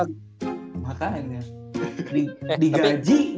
di gaji ga main dapet yala kan